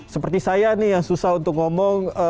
seperti saya nih yang susah untuk ngomong